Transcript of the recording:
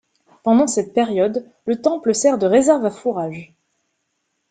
Pendant cette période, le temple sert de réserve à fourrage.